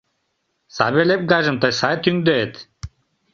Савельев гайжым тый сай тӱҥдет...